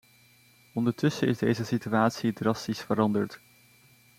Ondertussen is deze situatie drastisch veranderd.